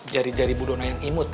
jari jari bu dona yang imut